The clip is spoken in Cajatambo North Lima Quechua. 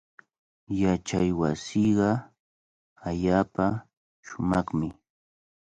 Yachaywasiiqa allaapa shumaqmi.